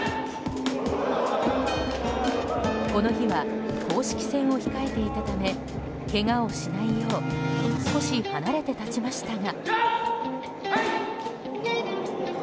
この日は公式戦を控えていたためけがをしないよう少し離れて立ちましたが。